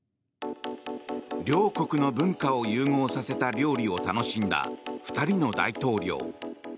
両国の文化を融合させた料理を楽しんだ２人の大統領。